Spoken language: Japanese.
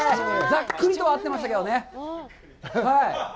ざっくりとは合ってましたけどね。